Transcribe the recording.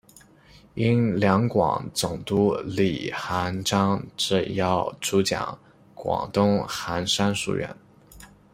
应两广总督李瀚章之邀主讲广东韩山书院。